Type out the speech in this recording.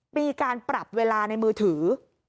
มีการปรับเวลาในมือถือ